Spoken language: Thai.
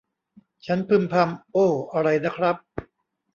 ฉันพึมพำ โอ้ อะไรนะครับ